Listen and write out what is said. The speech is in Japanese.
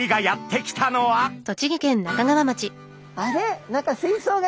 あれ？